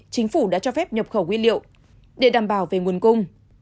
chính phủ đã cho phép nhập khẩu nguyên liệu để đảm bảo về nguồn cung